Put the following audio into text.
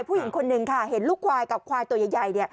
ผู้หญิงคนหนึ่งค่ะเห็นลูกควายกับควายตัวใหญ่